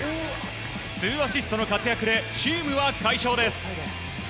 ２アシストの活躍でチームは大勝です。